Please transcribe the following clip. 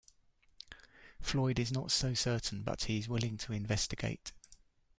Floyd is not so certain, but he's willing to investigate.